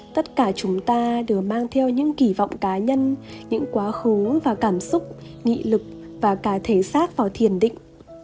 tất cả chúng ta đều mang theo những kỳ vọng cá nhân những quá khứ và cảm xúc nghị lực và cả thể xác vào thiền định